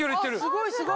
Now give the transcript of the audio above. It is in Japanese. すごいすごい！